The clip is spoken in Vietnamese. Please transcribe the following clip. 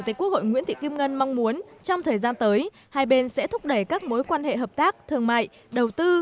trong thời gian tới hai bên sẽ thúc đẩy các mối quan hệ hợp tác thương mại đầu tư